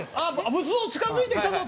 仏像近付いてきたぞ！